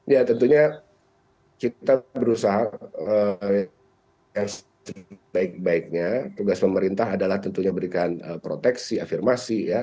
ya tentunya kita berusaha yang sebaik baiknya tugas pemerintah adalah tentunya berikan proteksi afirmasi ya